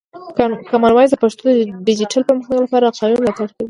کامن وایس د پښتو د ډیجیټل پرمختګ لپاره قوي ملاتړ کوي.